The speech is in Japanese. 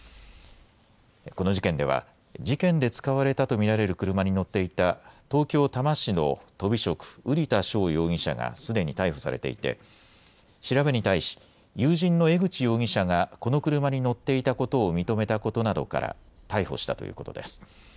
この事件では事件で使われたと見られる車に乗っていた東京多摩市のとび職、瓜田翔容疑者がすでに逮捕されていて調べに対し友人の江口容疑者がこの車に乗っていたことを認めたことなどから逮捕したということです。